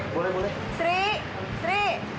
boleh boleh sri sri